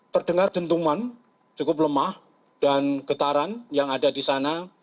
terdengar dentuman cukup lemah dan getaran yang ada di sana